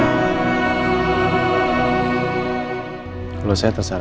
aku mau ke sekolah